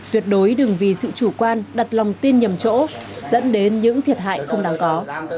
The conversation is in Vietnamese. tuyệt đối đừng vì sự chủ quan đặt lòng tin nhầm chỗ dẫn đến những thiệt hại không đáng có